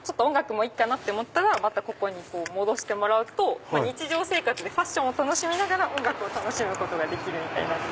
もういいかなって思ったらまたここに戻してもらうと日常生活でファッションを楽しみながら音楽を楽しむことができる。